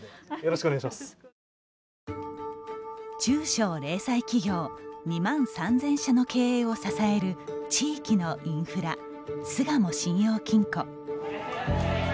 中小零細企業２万３０００社の経営を支える地域のインフラ巣鴨信用金庫。